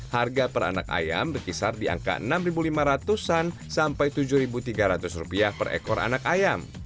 harga per anak ayam berkisar di angka enam lima ratus an sampai rp tujuh tiga ratus per ekor anak ayam